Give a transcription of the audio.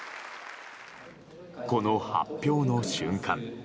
この発表の瞬間